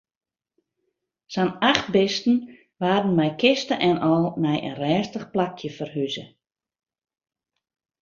Sa'n acht bisten waarden mei kiste en al nei in rêstich plakje ferhuze.